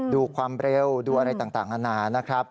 ดูความเร็วดูอะไรต่างอาณานะครับ